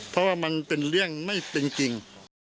เพราะว่ามันเป็นเรื่องไม่เป็นจริง